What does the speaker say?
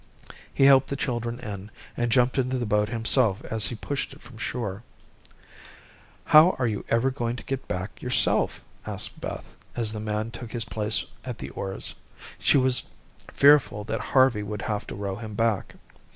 He helped the children in, and jumped into the boat himself as he pushed it from shore. "How are you ever going to get back yourself?" asked Beth, as the man took his place at the oars. She was fearful that Harvey would have to row him back.